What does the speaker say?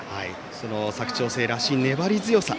その佐久長聖らしい粘り強さ